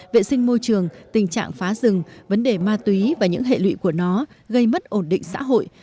vệ sinh môi trường tình trạng phá rừng vấn đề ma túy và những hệ lụy của nó gây mất ổn định xã hội